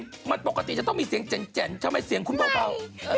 สวัสดีจะต้องมีเสียงแจ่งทำไมเสียงคุณเปล่า